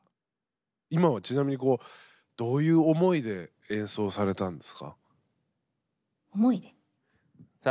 今はちなみにこうどういう思いで演奏されたんですか？